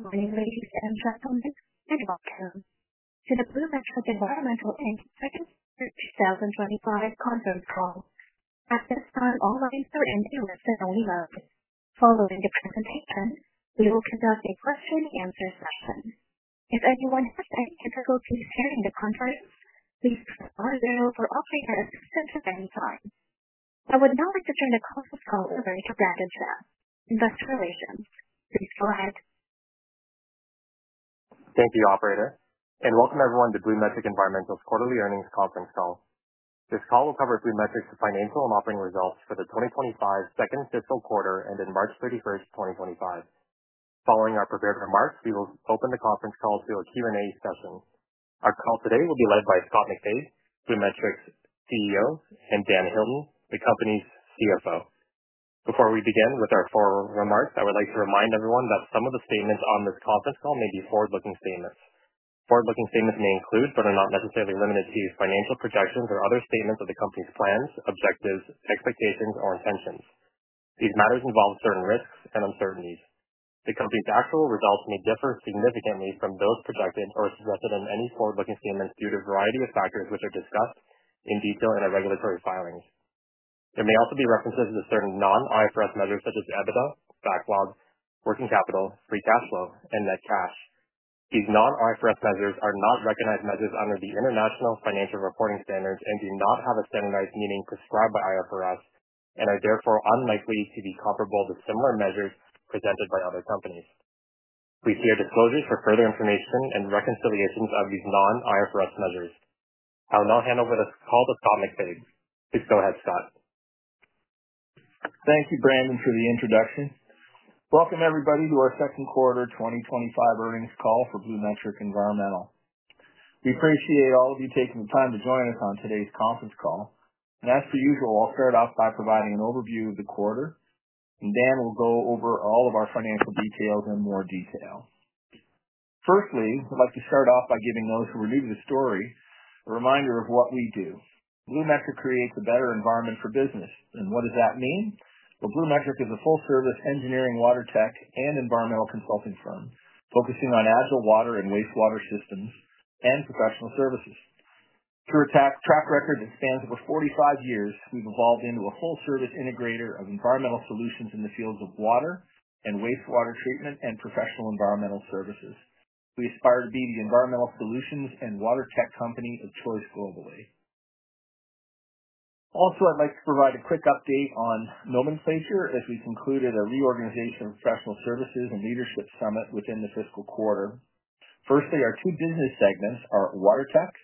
2025 conference call. At this time, all lines are in English and only loud. Following the presentation, we will conduct a question-and-answer session. If anyone has any difficulties hearing the conference, please call 040-300-660 at any time. I would now like to turn the conference call over to Brandon Chao, Investor Relations. Please go ahead. Thank you, Operator. Welcome, everyone, to BluMetric Environmental's Quarterly Earnings Conference Call. This call will cover BluMetric's financial and operating results for the 2025 second fiscal quarter ending March 31, 2025. Following our prepared remarks, we will open the conference call to a Q&A session. Our call today will be led by Scott MacFabe, BluMetric's CEO, and Dan Hilton, the company's CFO. Before we begin with our forward remarks, I would like to remind everyone that some of the statements on this conference call may be forward-looking statements. Forward-looking statements may include, but are not necessarily limited to, financial projections or other statements of the company's plans, objectives, expectations, or intentions. These matters involve certain risks and uncertainties. The company's actual results may differ significantly from those projected or suggested in any forward-looking statements due to a variety of factors which are discussed in detail in our regulatory filings. There may also be references to certain non-IFRS measures such as EBITDA, backlog, working capital, free cash flow, and net cash. These non-IFRS measures are not recognized measures under the International Financial Reporting Standards and do not have a standardized meaning prescribed by IFRS and are therefore unlikely to be comparable to similar measures presented by other companies. Please hear disclosures for further information and reconciliations of these non-IFRS measures. I will now hand over this call to Scott MacFabe. Please go ahead, Scott. Thank you, Brandon, for the introduction. Welcome, everybody, to our second quarter 2025 earnings call for BluMetric Environmental. We appreciate all of you taking the time to join us on today's conference call. As per usual, I'll start off by providing an overview of the quarter, and Dan will go over all of our financial details in more detail. Firstly, I'd like to start off by giving those who are new to the story a reminder of what we do. BluMetric creates a better environment for business. What does that mean? BluMetric is a full-service engineering, WaterTech, and environmental consulting firm focusing on agile water and wastewater systems and professional services. Through a track record that spans over 45 years, we've evolved into a full-service integrator of environmental solutions in the fields of water and wastewater treatment and professional environmental services. We aspire to be the environmental solutions and WaterTech company of choice globally. Also, I'd like to provide a quick update on nomenclature as we concluded a reorganization of professional services and leadership summit within the fiscal quarter. Firstly, our two business segments are WaterTech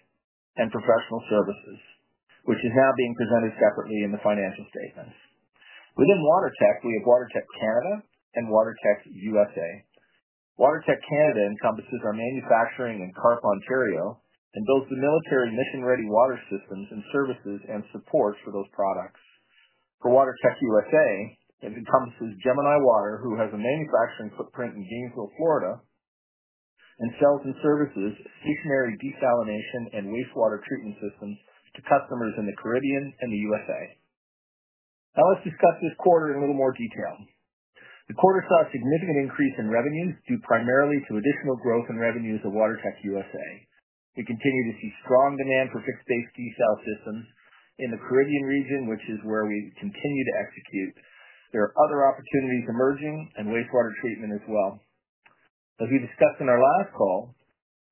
and professional services, which is now being presented separately in the financial statements. Within WaterTech, we have WaterTech Canada and WaterTech USA. WaterTech Canada encompasses our manufacturing in Carp, Ontario, and builds the military mission-ready water systems and services and supports for those products. For WaterTech USA, it encompasses Gemini Water, who has a manufacturing footprint in Gainesville, Florida, and sells and services stationary desalination and wastewater treatment systems to customers in the Caribbean and the USA. Now, let's discuss this quarter in a little more detail. The quarter saw a significant increase in revenues due primarily to additional growth in revenues of WaterTech USA. We continue to see strong demand for fixed-based desal systems in the Caribbean region, which is where we continue to execute. There are other opportunities emerging in wastewater treatment as well. As we discussed in our last call,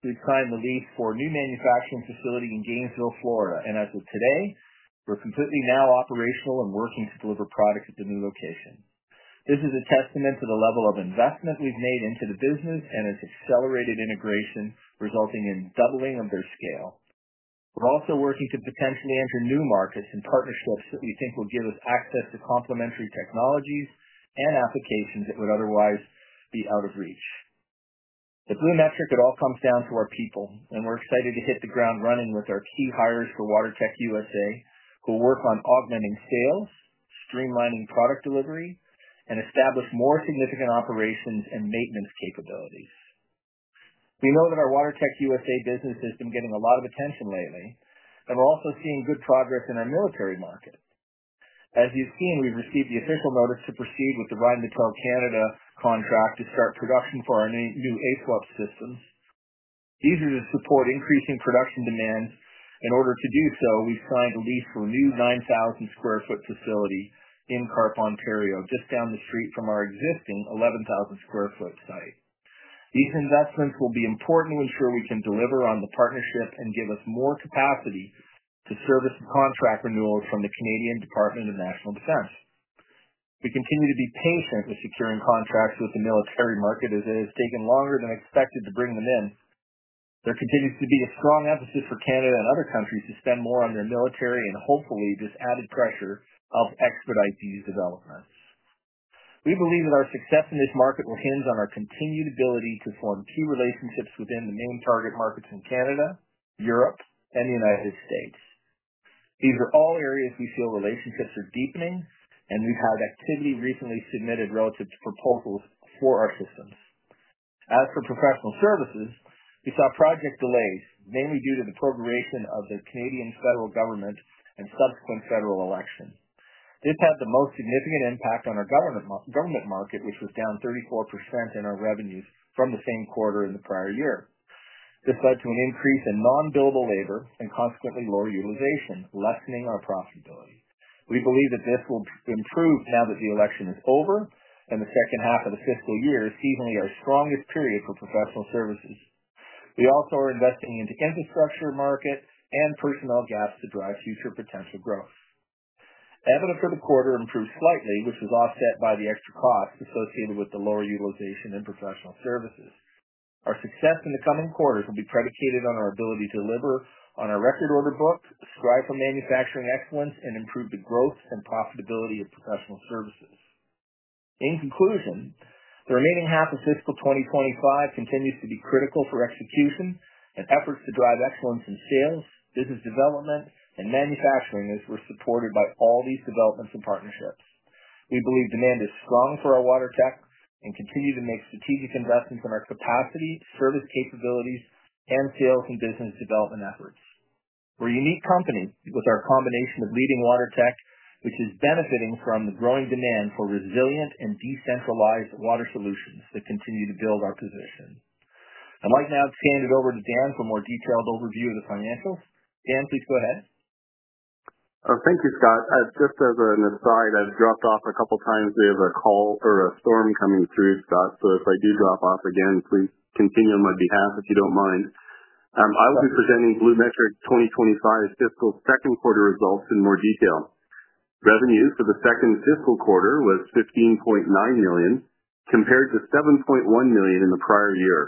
we've signed the lease for a new manufacturing facility in Gainesville, Florida. As of today, we're completely now operational and working to deliver products at the new location. This is a testament to the level of investment we've made into the business and its accelerated integration, resulting in doubling of their scale. We're also working to potentially enter new markets and partnerships that we think will give us access to complementary technologies and applications that would otherwise be out of reach. At BluMetric, it all comes down to our people, and we're excited to hit the ground running with our key hires for WaterTech USA, who will work on augmenting sales, streamlining product delivery, and establish more significant operations and maintenance capabilities. We know that our WaterTech USA business has been getting a lot of attention lately, and we're also seeing good progress in our military market. As you've seen, we've received the official notice to proceed with the Rheinmetall Canada contract to start production for our new ASWAP systems. These are to support increasing production demands. In order to do so, we've signed a lease for a new 9,000 sq ft facility in Carp, Ontario, just down the street from our existing 11,000 sq ft site. These investments will be important to ensure we can deliver on the partnership and give us more capacity to service the contract renewals from the Canadian Department of National Defence. We continue to be patient with securing contracts with the military market, as it has taken longer than expected to bring them in. There continues to be a strong emphasis for Canada and other countries to spend more on their military and, hopefully, this added pressure helps expedite these developments. We believe that our success in this market will hinge on our continued ability to form key relationships within the main target markets in Canada, Europe, and the United States. These are all areas we feel relationships are deepening, and we've had activity recently submitted relative to proposals for our systems. As for professional services, we saw project delays, mainly due to the prolongation of the Canadian federal government and subsequent federal election. This had the most significant impact on our government market, which was down 34% in our revenues from the same quarter in the prior year. This led to an increase in non-billable labor and consequently lower utilization, lessening our profitability. We believe that this will improve now that the election is over and the second half of the fiscal year is seasonally our strongest period for professional services. We also are investing into infrastructure market and personnel gaps to drive future potential growth. Even for the quarter, it improved slightly, which was offset by the extra costs associated with the lower utilization in professional services. Our success in the coming quarters will be predicated on our ability to deliver on our record order book, strive for manufacturing excellence, and improve the growth and profitability of professional services. In conclusion, the remaining half of fiscal 2025 continues to be critical for execution and efforts to drive excellence in sales, business development, and manufacturing, as we're supported by all these developments and partnerships. We believe demand is strong for our WaterTech and continue to make strategic investments in our capacity, service capabilities, and sales and business development efforts. We're a unique company with our combination of leading WaterTech, which is benefiting from the growing demand for resilient and decentralized water solutions that continue to build our position. I'd like now to hand it over to Dan for a more detailed overview of the financials. Dan, please go ahead. Thank you, Scott. Just as an aside, I've dropped off a couple of times. We have a call or a storm coming through, Scott, so if I do drop off again, please continue on my behalf if you don't mind. I will be presenting BluMetric 2025 fiscal second quarter results in more detail. Revenues for the second fiscal quarter was 15.9 million compared to 7.1 million in the prior year.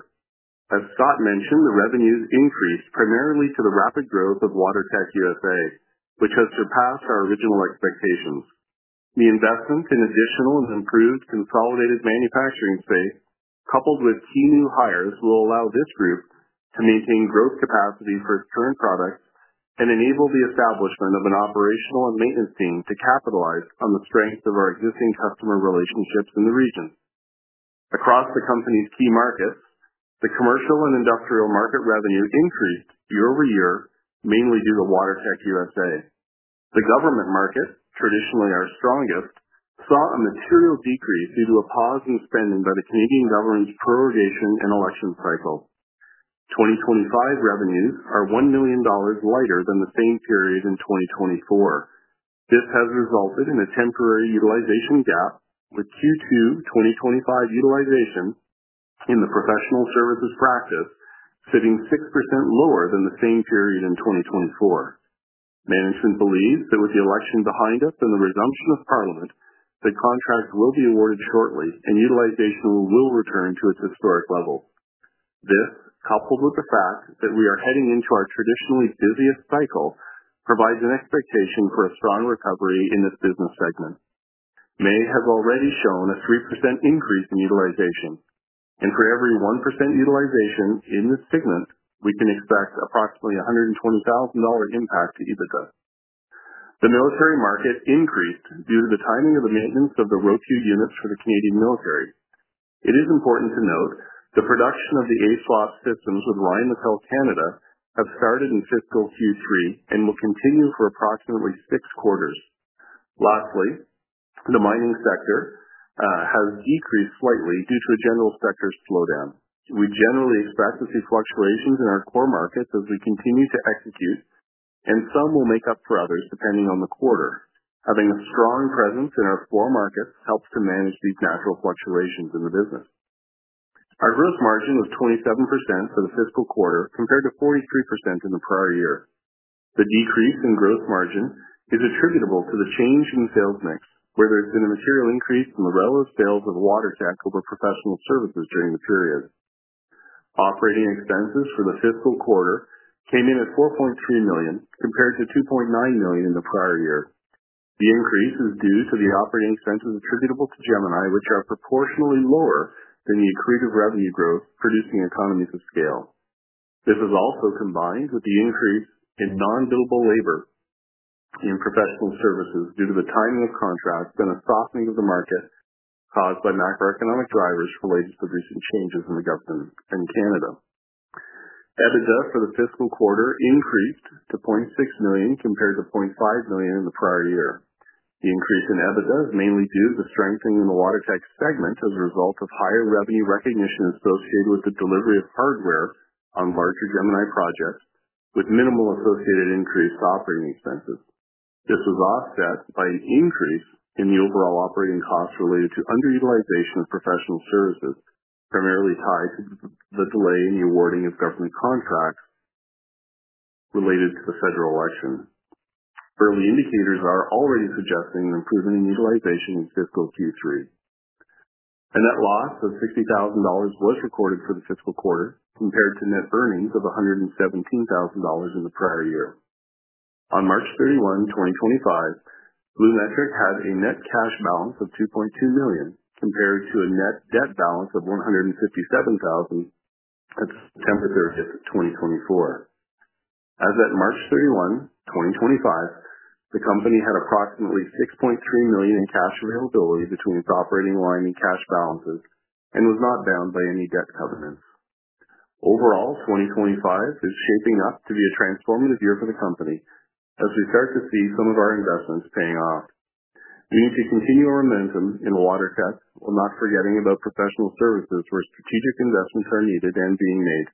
As Scott mentioned, the revenues increased primarily due to the rapid growth of WaterTech USA, which has surpassed our original expectations. The investments in additional and improved consolidated manufacturing space, coupled with key new hires, will allow this group to maintain growth capacity for its current products and enable the establishment of an operations and maintenance team to capitalize on the strength of our existing customer relationships in the region. Across the company's key markets, the commercial and industrial market revenue increased year over year, mainly due to WaterTech USA. The government market, traditionally our strongest, saw a material decrease due to a pause in spending by the Canadian government's prorogation and election cycle. 2025 revenues are 1 million dollars lighter than the same period in 2024. This has resulted in a temporary utilization gap, with Q2 2025 utilization in the professional services practice sitting 6% lower than the same period in 2024. Management believes that with the election behind us and the resumption of parliament, the contracts will be awarded shortly, and utilization will return to its historic levels. This, coupled with the fact that we are heading into our traditionally busiest cycle, provides an expectation for a strong recovery in this business segment. May has already shown a 3% increase in utilization. For every 1% utilization in this segment, we can expect approximately 120,000 dollar impact to EBITDA. The military market increased due to the timing of the maintenance of the ROQ units for the Canadian military. It is important to note the production of the ASWAP systems with Rheinmetall Canada has started in fiscal Q3 and will continue for approximately six quarters. Lastly, the mining sector has decreased slightly due to a general sector slowdown. We generally expect to see fluctuations in our core markets as we continue to execute, and some will make up for others depending on the quarter. Having a strong presence in our core markets helps to manage these natural fluctuations in the business. Our gross margin was 27% for the fiscal quarter compared to 43% in the prior year. The decrease in gross margin is attributable to the change in sales mix, whether it's been a material increase in the relative sales of WaterTech over professional services during the period. Operating expenses for the fiscal quarter came in at 4.3 million compared to 2.9 million in the prior year. The increase is due to the operating expenses attributable to Gemini, which are proportionally lower than the accretive revenue growth producing economies of scale. This is also combined with the increase in non-billable labor in professional services due to the timing of contracts and a softening of the market caused by macroeconomic drivers related to the recent changes in the government and Canada. EBITDA for the fiscal quarter increased to 0.6 million compared to 0.5 million in the prior year. The increase in EBITDA is mainly due to the strengthening in the WaterTech segment as a result of higher revenue recognition associated with the delivery of hardware on larger Gemini projects, with minimal associated increase to operating expenses. This was offset by an increase in the overall operating costs related to underutilization of professional services, primarily tied to the delay in the awarding of government contracts related to the federal election. Early indicators are already suggesting an improvement in utilization in fiscal Q3. A net loss of 60,000 dollars was recorded for the fiscal quarter compared to net earnings of 117,000 dollars in the prior year. On March 31, 2025, BluMetric had a net cash balance of 2.2 million compared to a net debt balance of 157,000 at September 30, 2024. As of March 31, 2025, the company had approximately 6.3 million in cash availability between its operating line and cash balances and was not bound by any debt covenants. Overall, 2025 is shaping up to be a transformative year for the company as we start to see some of our investments paying off. We need to continue our momentum in WaterTech while not forgetting about professional services where strategic investments are needed and being made.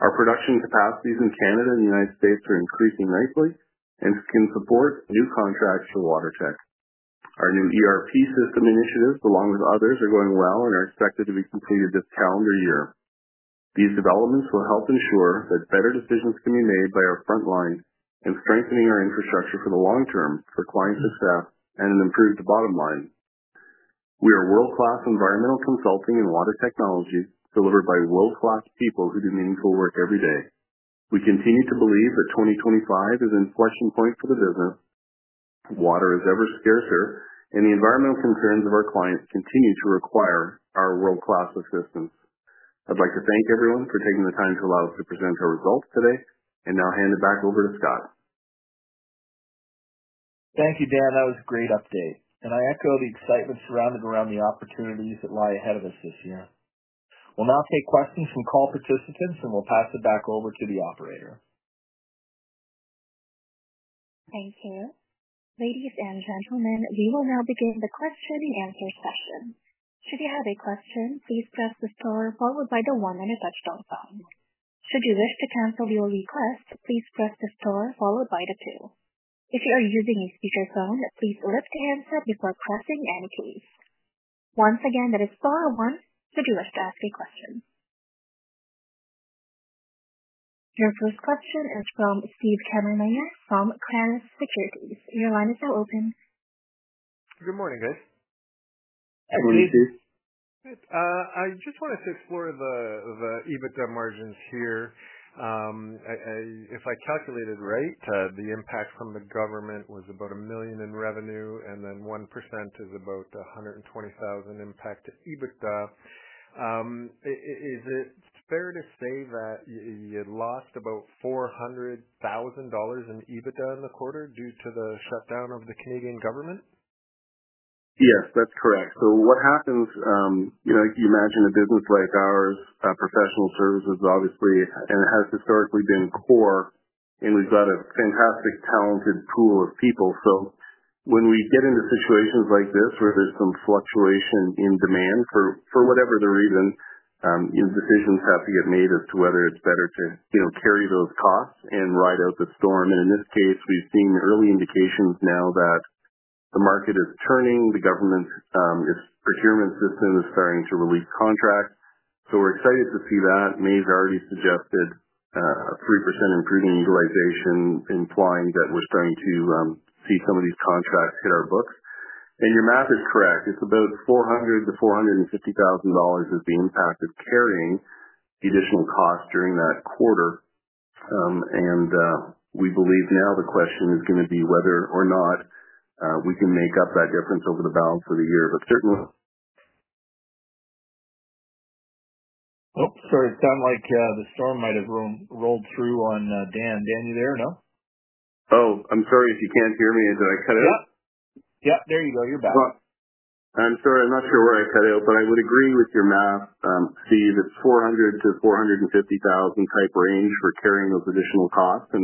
Our production capacities in Canada and the United States are increasing nicely and can support new contracts for WaterTech. Our new ERP system initiatives, along with others, are going well and are expected to be completed this calendar year. These developments will help ensure that better decisions can be made by our front line and strengthening our infrastructure for the long term for clients' success and an improved bottom line. We are world-class environmental consulting and WaterTechnology delivered by world-class people who do meaningful work every day. We continue to believe that 2025 is an inflection point for the business. Water is ever scarcer, and the environmental concerns of our clients continue to require our world-class assistance. I'd like to thank everyone for taking the time to allow us to present our results today and now hand it back over to Scott. Thank you, Dan. That was a great update. I echo the excitement surrounded around the opportunities that lie ahead of us this year. We'll now take questions from call participants, and we'll pass it back over to the operator. Thank you. Ladies and gentlemen, we will now begin the question and answer session. Should you have a question, please press the star followed by the one on your touch-tone phone. Should you wish to cancel your request, please press the star followed by the two. If you are using a speakerphone, please lift the handset before pressing any keys. Once again, that is star one should you wish to ask a question. Your first question is from Steve Cameron Mayer from Kranitz Securities. Your line is now open. Good morning, guys. Good morning, Steve. Good. I just wanted to explore the EBITDA margins here. If I calculated right, the impact from the government was about 1 million in revenue, and then 1% is about 120,000 impact to EBITDA. Is it fair to say that you lost about 400,000 dollars in EBITDA in the quarter due to the shutdown of the Canadian government? Yes, that's correct. What happens, you imagine a business like ours, professional services, obviously, and it has historically been core, and we've got a fantastic talented pool of people. When we get into situations like this where there's some fluctuation in demand for whatever the reason, decisions have to get made as to whether it's better to carry those costs and ride out the storm. In this case, we've seen early indications now that the market is turning. The government's procurement system is starting to release contracts. We're excited to see that. May has already suggested a 3% improvement in utilization, implying that we're starting to see some of these contracts hit our books. Your math is correct. It's about 400,000-450,000 dollars is the impact of carrying the additional costs during that quarter. We believe now the question is going to be whether or not we can make up that difference over the balance of the year. Certainly. Oh, sorry. It sounded like the storm might have rolled through on Dan. Dan, are you there? No? Oh, I'm sorry if you can't hear me. Did I cut out? Yep. Yep. There you go. You're back. I'm sorry. I'm not sure where I cut out, but I would agree with your math, Steve. It's 400,000-450,000 type range for carrying those additional costs.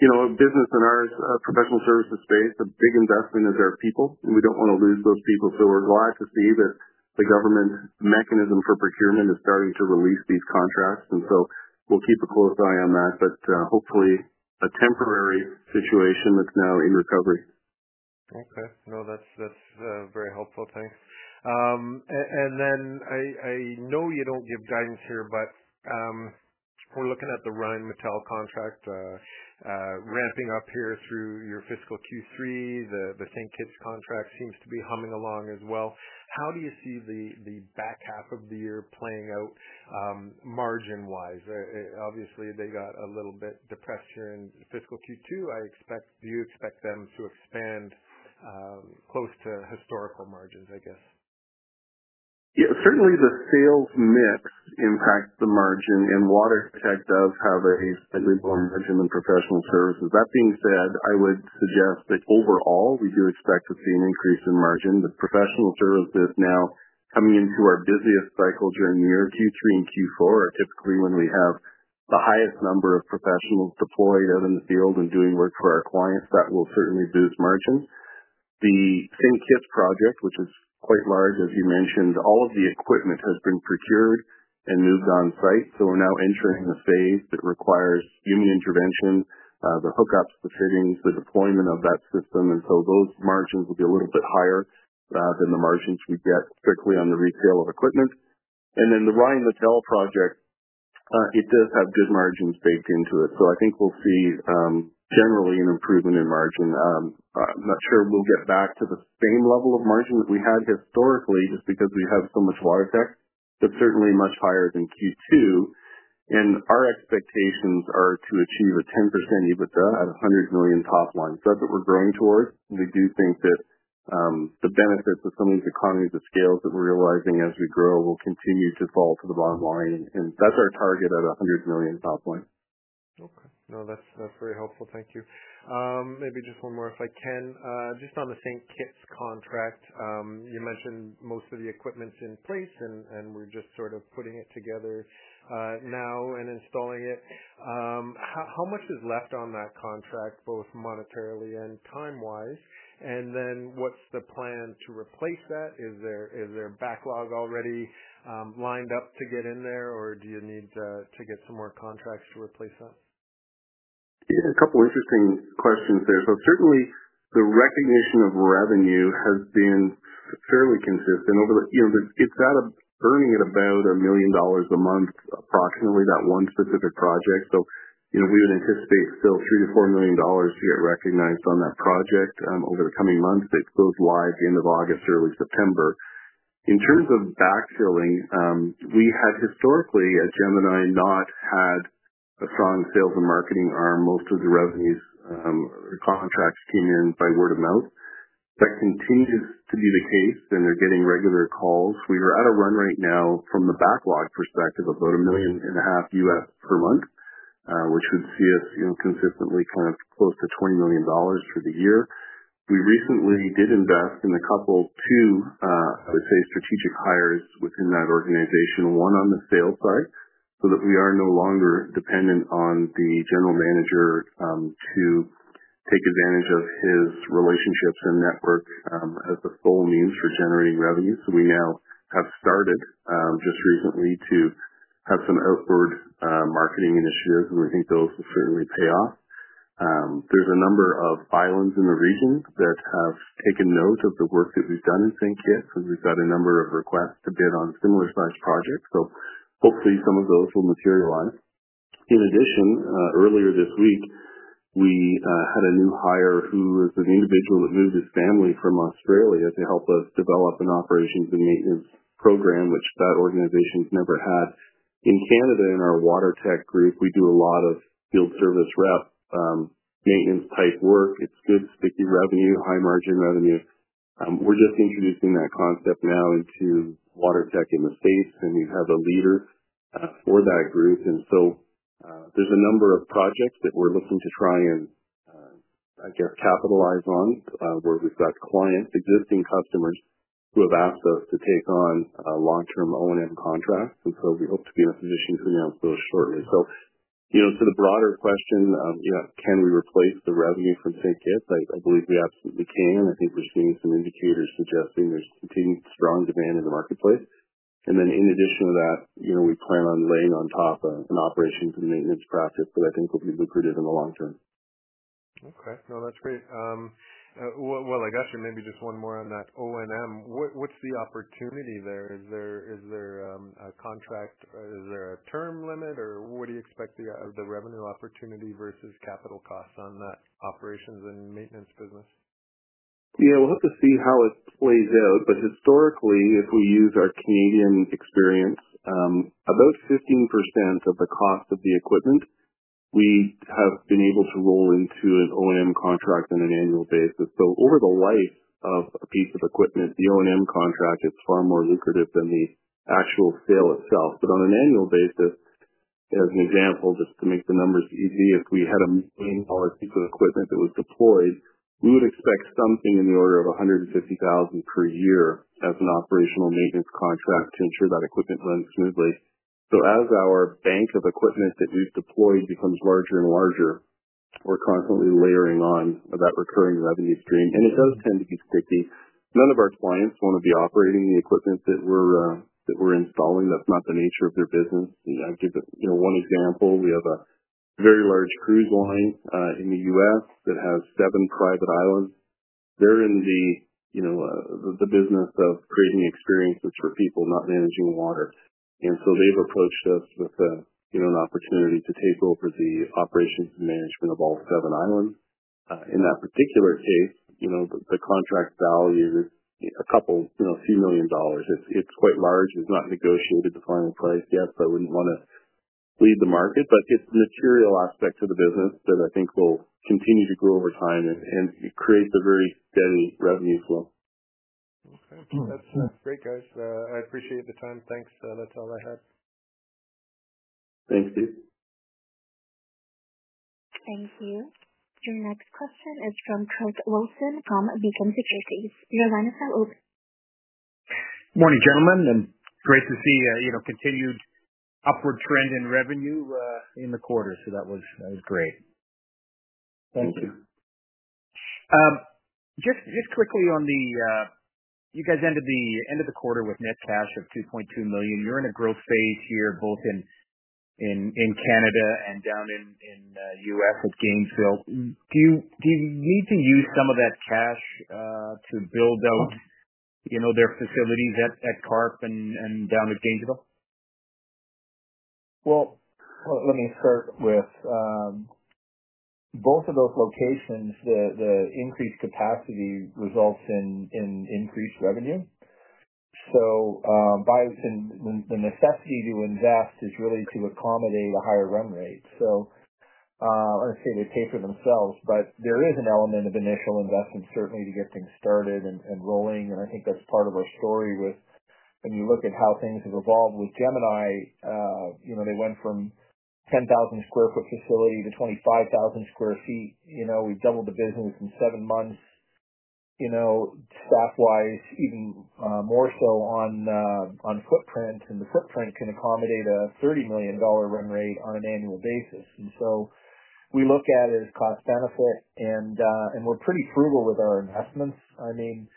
In a business in our professional services space, a big investment is our people, and we don't want to lose those people. We're glad to see that the government mechanism for procurement is starting to release these contracts. We'll keep a close eye on that, but hopefully a temporary situation that's now in recovery. Okay. No, that's very helpful. Thanks. I know you don't give guidance here, but we're looking at the Rheinmetall contract ramping up here through your fiscal Q3. The St. Kitts contract seems to be humming along as well. How do you see the back half of the year playing out margin-wise? Obviously, they got a little bit depressed here in fiscal Q2. Do you expect them to expand close to historical margins, I guess? Yeah. Certainly, the sales mix impacts the margin, and WaterTech does have a slightly lower margin than professional services. That being said, I would suggest that overall, we do expect to see an increase in margin. The professional services now coming into our busiest cycle during the year Q3 and Q4 are typically when we have the highest number of professionals deployed out in the field and doing work for our clients. That will certainly boost margins. The St. Kitts project, which is quite large, as you mentioned, all of the equipment has been procured and moved on-site. We are now entering a phase that requires human intervention, the hookups, the fittings, the deployment of that system. Those margins will be a little bit higher than the margins we get strictly on the resale of equipment. The Rheinmetall project does have good margins baked into it. I think we'll see generally an improvement in margin. I'm not sure we'll get back to the same level of margin that we had historically just because we have so much WaterTech, but certainly much higher than Q2. Our expectations are to achieve a 10% EBITDA at 100 million top line. That's what we're growing towards. We do think that the benefits of some of these economies of scale that we're realizing as we grow will continue to fall to the bottom line. That's our target at 100 million top line. Okay. No, that's very helpful. Thank you. Maybe just one more if I can. Just on the St. Kitts contract, you mentioned most of the equipment's in place, and we're just sort of putting it together now and installing it. How much is left on that contract, both monetarily and time-wise? What's the plan to replace that? Is there backlog already lined up to get in there, or do you need to get some more contracts to replace that? Yeah. A couple of interesting questions there. Certainly, the recognition of revenue has been fairly consistent. It is burning at about $1,000,000 a month, approximately, that one specific project. We would anticipate still 3,000,000-4,000,000 dollars to get recognized on that project over the coming months. It goes live at the end of August or early September. In terms of backfilling, we had historically at Gemini not had a strong sales and marketing arm. Most of the revenues or contracts came in by word of mouth. That continues to be the case, and they are getting regular calls. We are at a run right now from the backlog perspective of about $1,500,000 US per month, which would see us consistently kind of close to 20,000,000 dollars through the year. We recently did invest in a couple of two, I would say, strategic hires within that organization, one on the sales side, so that we are no longer dependent on the general manager to take advantage of his relationships and network as the sole means for generating revenue. We now have started just recently to have some outward marketing initiatives, and we think those will certainly pay off. There are a number of islands in the region that have taken note of the work that we have done in St. Kitts, and we have got a number of requests to bid on similar-sized projects. Hopefully, some of those will materialize. In addition, earlier this week, we had a new hire who is an individual that moved his family from Australia to help us develop an operations and maintenance program, which that organization has never had. In Canada, in our WaterTech group, we do a lot of field service rep maintenance-type work. It's good, sticky revenue, high-margin revenue. We're just introducing that concept now into WaterTech in the U.S., and we have a leader for that group. There are a number of projects that we're looking to try and, I guess, capitalize on where we've got clients, existing customers who have asked us to take on long-term O&M contracts. We hope to be in a position to announce those shortly. To the broader question, can we replace the revenue from St. Kitts? I believe we absolutely can. I think we're seeing some indicators suggesting there's continued strong demand in the marketplace. In addition to that, we plan on laying on top an operations and maintenance practice that I think will be lucrative in the long term. Okay. No, that's great. While I got you, maybe just one more on that O&M. What's the opportunity there? Is there a contract? Is there a term limit, or what do you expect the revenue opportunity versus capital costs on that operations and maintenance business? Yeah. We'll have to see how it plays out. But historically, if we use our Canadian experience, about 15% of the cost of the equipment we have been able to roll into an O&M contract on an annual basis. Over the life of a piece of equipment, the O&M contract is far more lucrative than the actual sale itself. On an annual basis, as an example, just to make the numbers easy, if we had a 1,000,000 dollar piece of equipment that was deployed, we would expect something in the order of 150,000 per year as an O&M contract to ensure that equipment runs smoothly. As our bank of equipment that we've deployed becomes larger and larger, we're constantly layering on that recurring revenue stream. It does tend to be sticky. None of our clients want to be operating the equipment that we're installing. That's not the nature of their business. I'll give one example. We have a very large cruise line in the U.S. that has seven private islands. They're in the business of creating experiences for people, not managing water. They have approached us with an opportunity to take over the operations and management of all seven islands. In that particular case, the contract value is a couple, a few million dollars. It's quite large. We have not negotiated the final price yet, so I would not want to lead the market. It is a material aspect to the business that I think will continue to grow over time and create the very steady revenue flow. Okay. That's great, guys. I appreciate the time. Thanks. That's all I had. Thanks, Steve. Thank you. Your next question is from Craig Wilson from Beacon Securities. Your line is now open. Good morning, gentlemen. Great to see continued upward trend in revenue in the quarter. That was great. Thank you. Just quickly on the you guys ended the quarter with net cash of 2.2 million. You're in a growth phase here, both in Canada and down in the U.S. at Gainesville. Do you need to use some of that cash to build out their facilities at Carp and down at Gainesville? Let me start with both of those locations. The increased capacity results in increased revenue. The necessity to invest is really to accommodate a higher run rate. I do not say they pay for themselves, but there is an element of initial investment, certainly, to get things started and rolling. I think that is part of our story with when you look at how things have evolved with Gemini. They went from 10,000 sq ft facility to 25,000 sq ft. We doubled the business in seven months, staff-wise, even more so on footprint. The footprint can accommodate a 30 million dollar run rate on an annual basis. We look at it as cost-benefit, and we are pretty frugal with our investments. I mean,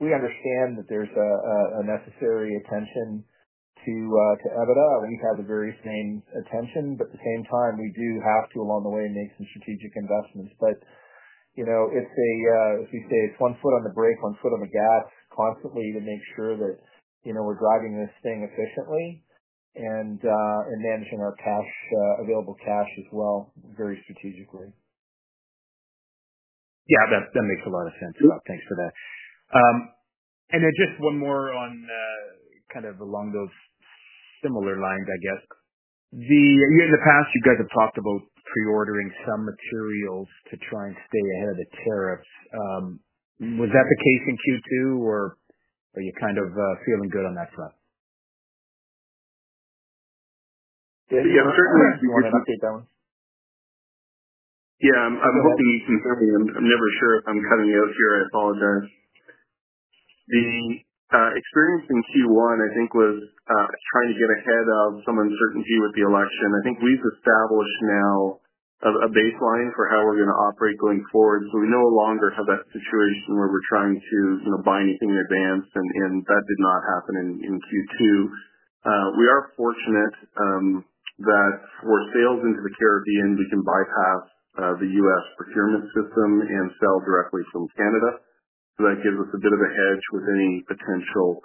we understand that there is a necessary attention to EBITDA. We have had the very same attention. At the same time, we do have to, along the way, make some strategic investments. It is, as we say, one foot on the brake, one foot on the gas constantly to make sure that we are driving this thing efficiently and managing our available cash as well very strategically. Yeah. That makes a lot of sense. Thanks for that. Just one more on kind of along those similar lines, I guess. In the past, you guys have talked about pre-ordering some materials to try and stay ahead of the tariffs. Was that the case in Q2, or are you kind of feeling good on that front? Yeah. Certainly, if you want to. Do you want to update that one? Yeah. I'm hoping you can hear me. I'm never sure if I'm cutting out here. I apologize. The experience in Q1, I think, was trying to get ahead of some uncertainty with the election. I think we've established now a baseline for how we're going to operate going forward. We no longer have that situation where we're trying to buy anything in advance, and that did not happen in Q2. We are fortunate that for sales into the Caribbean, we can bypass the U.S. procurement system and sell directly from Canada. That gives us a bit of a hedge with any potential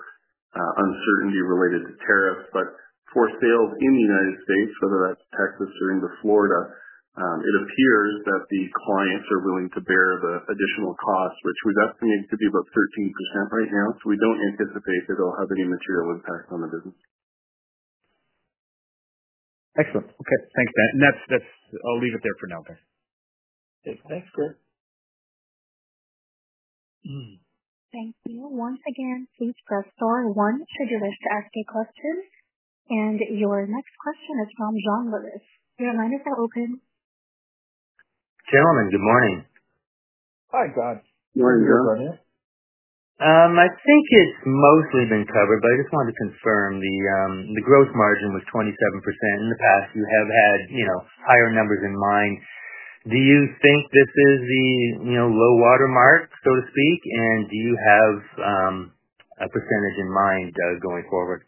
uncertainty related to tariffs. For sales in the United States, whether that's Texas or into Florida, it appears that the clients are willing to bear the additional cost, which we've estimated to be about 13% right now. We don't anticipate that it'll have any material impact on the business. Excellent. Okay. Thanks, Dan. I'll leave it there for now, guys. That's great. Thank you. Once again, please press star one should you wish to ask a question. Your next question is from Jean Louis. Your line is now open. Gentlemen, good morning. Hi, John. Good morning, George. I think it's mostly been covered, but I just wanted to confirm. The gross margin was 27%. In the past, you have had higher numbers in mind. Do you think this is the low watermark, so to speak? And do you have a percentage in mind going forward?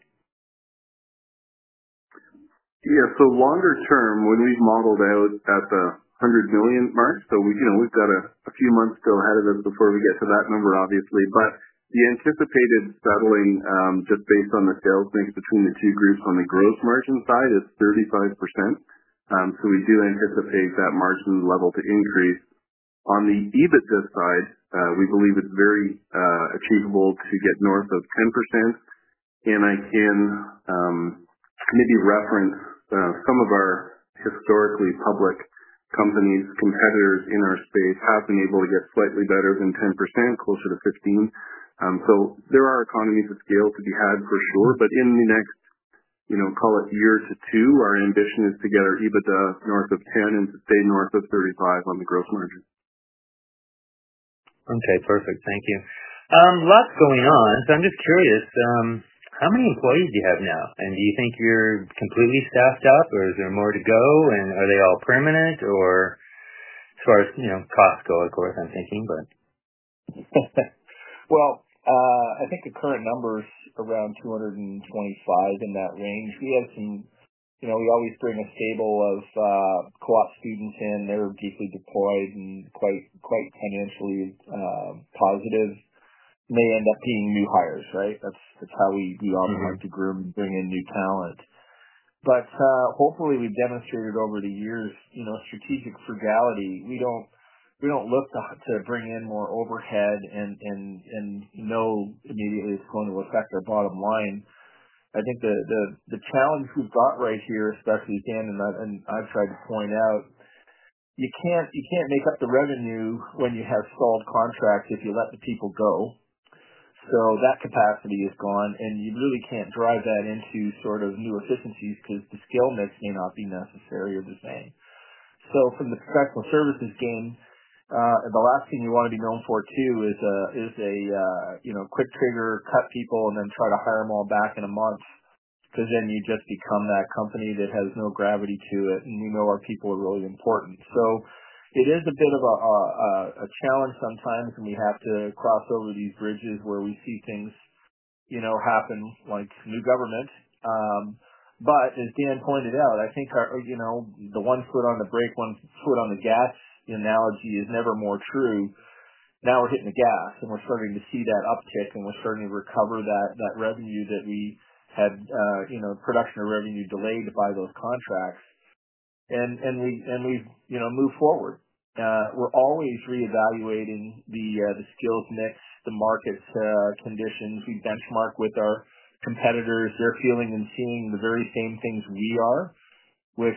Yeah. Longer term, when we've modeled out at the $100 million mark, we've got a few months still ahead of us before we get to that number, obviously. The anticipated settling, just based on the sales mix between the two groups on the gross margin side, is 35%. We do anticipate that margin level to increase. On the EBITDA side, we believe it's very achievable to get north of 10%. I can maybe reference some of our historically public companies' competitors in our space have been able to get slightly better than 10%, closer to 15. There are economies of scale to be had for sure. In the next, call it, year to two, our ambition is to get our EBITDA north of 10% and to stay north of 35% on the gross margin. Okay. Perfect. Thank you. Lots going on. I'm just curious, how many employees do you have now? Do you think you're completely staffed up, or is there more to go? Are they all permanent, or as far as costs go, of course, I'm thinking, but? I think the current number is around 225 in that range. We have some, we always bring a stable of co-op students in. They're deeply deployed and quite financially positive. May end up being new hires, right? That's how we often like to groom and bring in new talent. Hopefully, we've demonstrated over the years strategic frugality. We don't look to bring in more overhead and know immediately it's going to affect our bottom line. I think the challenge we've got right here, especially Dan and I have tried to point out, you can't make up the revenue when you have stalled contracts if you let the people go. That capacity is gone, and you really can't drive that into sort of new efficiencies because the skill mix may not be necessary or the same. From the professional services game, the last thing you want to be known for too is a quick trigger, cut people, and then try to hire them all back in a month because then you just become that company that has no gravity to it, and we know our people are really important. It is a bit of a challenge sometimes, and we have to cross over these bridges where we see things happen, like new government. As Dan pointed out, I think the one foot on the brake, one foot on the gas analogy is never more true. Now we're hitting the gas, and we're starting to see that uptick, and we're starting to recover that revenue that we had, production of revenue delayed by those contracts. We have moved forward. We're always reevaluating the skills mix, the market conditions. We benchmark with our competitors. They're feeling and seeing the very same things we are, which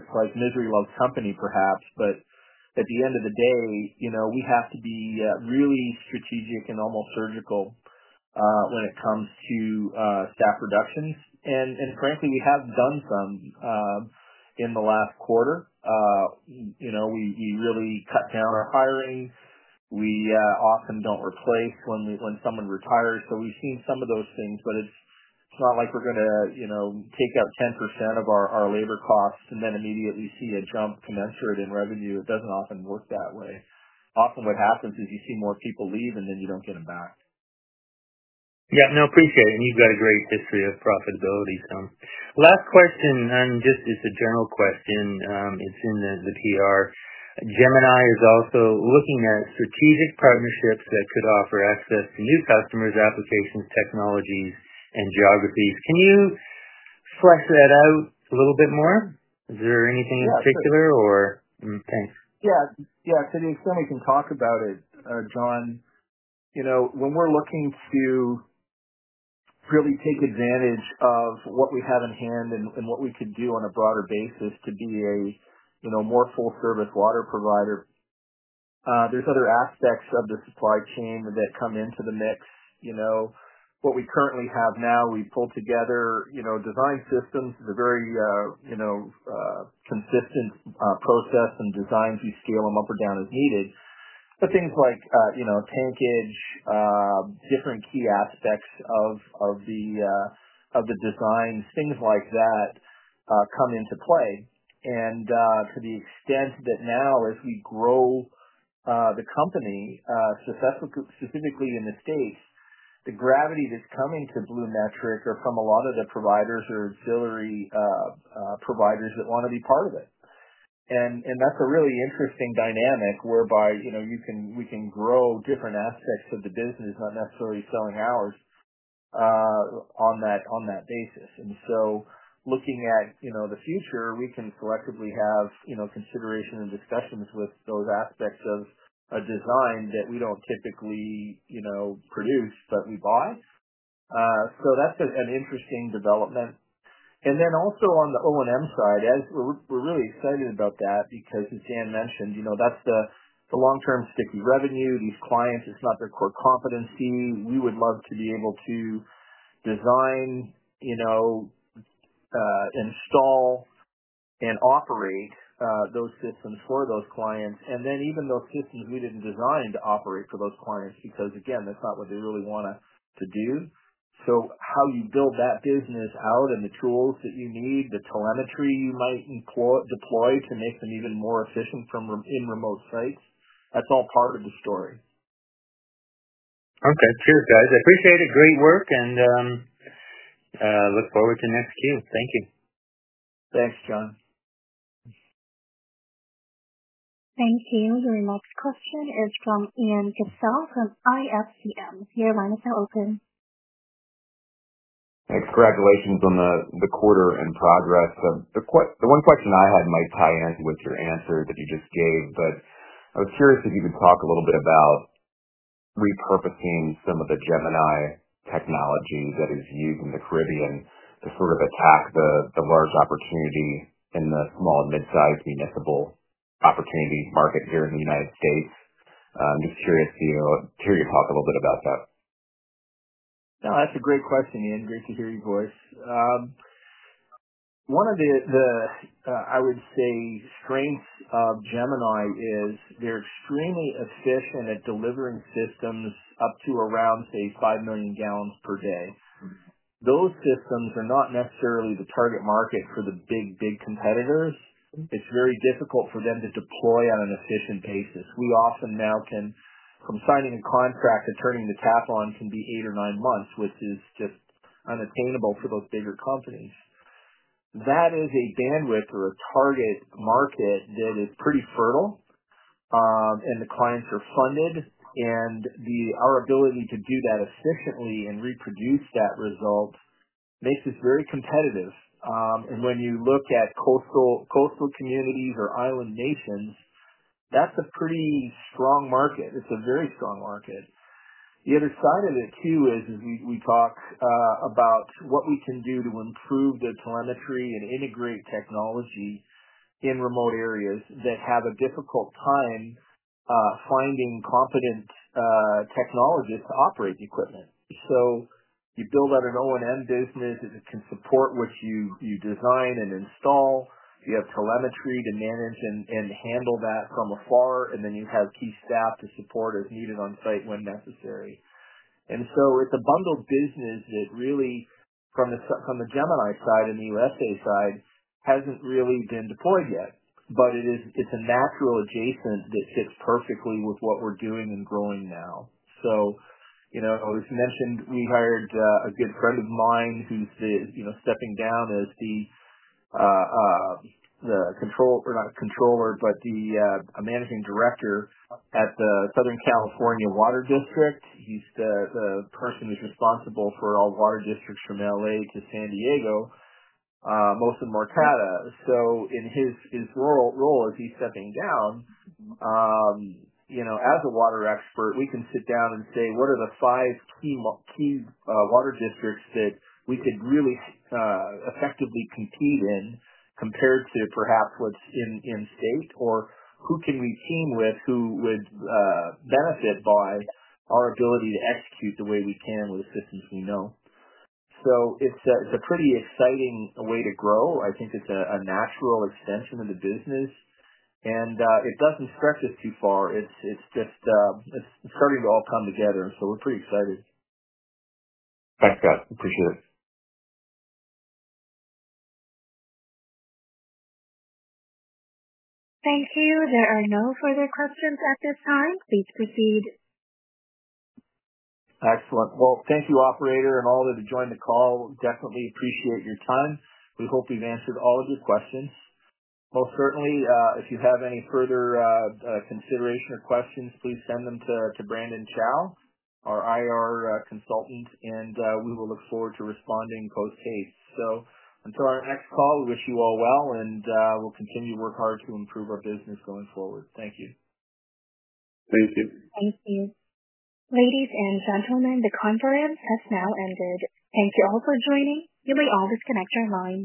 it's like misery loves company, perhaps. At the end of the day, we have to be really strategic and almost surgical when it comes to staff reductions. Frankly, we have done some in the last quarter. We really cut down our hiring. We often do not replace when someone retires. We have seen some of those things, but it's not like we're going to take out 10% of our labor costs and then immediately see a jump commensurate in revenue. It does not often work that way. Often what happens is you see more people leave, and then you do not get them back. Yeah. No, appreciate it. You have got a great history of profitability, so. Last question, and just, it is a general question. It is in the PR. Gemini is also looking at strategic partnerships that could offer access to new customers, applications, technologies, and geographies. Can you flesh that out a little bit more? Is there anything in particular, or? Yeah. Thanks. Yeah. Yeah. To the extent we can talk about it, John, when we're looking to really take advantage of what we have in hand and what we could do on a broader basis to be a more full-service water provider, there are other aspects of the supply chain that come into the mix. What we currently have now, we've pulled together design systems. It's a very consistent process and designs. We scale them up or down as needed. Things like tankage, different key aspects of the designs, things like that come into play. To the extent that now, as we grow the company, specifically in the States, the gravity that's coming to BluMetric or from a lot of the providers or auxiliary providers that want to be part of it. That is a really interesting dynamic whereby we can grow different aspects of the business, not necessarily selling hours on that basis. Looking at the future, we can selectively have consideration and discussions with those aspects of a design that we do not typically produce, but we buy. That is an interesting development. Also, on the O&M side, we are really excited about that because, as Dan mentioned, that is the long-term sticky revenue. These clients, it is not their core competency. We would love to be able to design, install, and operate those systems for those clients. Even those systems we did not design, to operate for those clients because, again, that is not what they really want to do. How you build that business out and the tools that you need, the telemetry you might deploy to make them even more efficient in remote sites, that's all part of the story. Okay. Cheers, guys. I appreciate it. Great work. I look forward to the next queue. Thank you. Thanks, John. Thank you. Your next question is from Ian Gissell from IFCM. Your line is now open. Thanks. Congratulations on the quarter in progress. The one question I had might tie in with your answer that you just gave, but I was curious if you could talk a little bit about repurposing some of the Gemini technology that is used in the Caribbean to sort of attack the large opportunity in the small and mid-sized municipal opportunity market here in the United States. I'm just curious to hear you talk a little bit about that. No, that's a great question, Ian. Great to hear your voice. One of the, I would say, strengths of Gemini is they're extremely efficient at delivering systems up to around, say, 5 million gallons per day. Those systems are not necessarily the target market for the big, big competitors. It's very difficult for them to deploy on an efficient basis. We often now can, from signing a contract to turning the tap on, can be eight or nine months, which is just unattainable for those bigger companies. That is a bandwidth or a target market that is pretty fertile, and the clients are funded. Our ability to do that efficiently and reproduce that result makes us very competitive. When you look at coastal communities or island nations, that's a pretty strong market. It's a very strong market. The other side of it too is we talk about what we can do to improve the telemetry and integrate technology in remote areas that have a difficult time finding competent technologists to operate the equipment. You build out an O&M business that can support what you design and install. You have telemetry to manage and handle that from afar, and then you have key staff to support as needed on site when necessary. It is a bundled business that really, from the Gemini side and the USA side, has not really been deployed yet. It is a natural adjacent that fits perfectly with what we are doing and growing now. As mentioned, we hired a good friend of mine who is stepping down as the, not controller, but the managing director at the Southern California Water District. He's the person who's responsible for all water districts from LA to San Diego, mostly in Mercata. In his role, as he's stepping down, as a water expert, we can sit down and say, "What are the five key water districts that we could really effectively compete in compared to perhaps what's in state? Or who can we team with who would benefit by our ability to execute the way we can with systems we know?" It's a pretty exciting way to grow. I think it's a natural extension of the business. It doesn't stretch us too far. It's just starting to all come together. We're pretty excited. Thanks, guys. Appreciate it. Thank you. There are no further questions at this time. Please proceed. Excellent. Thank you, Operator, and all that have joined the call. Definitely appreciate your time. We hope we've answered all of your questions. Most certainly, if you have any further consideration or questions, please send them to Brandon Chao, our IR consultant, and we will look forward to responding post-haste. Until our next call, we wish you all well, and we'll continue to work hard to improve our business going forward. Thank you. Thank you. Thank you. Ladies and gentlemen, the conference has now ended. Thank you all for joining. You may now disconnect your line.